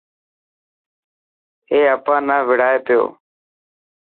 اي اپا نا وڙائي پيو.